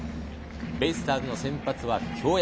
ベイスターズの先発は京山。